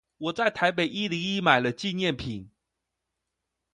我在台北一零一買了紀念品